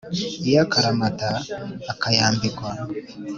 Iy’akaramata ukayambikwa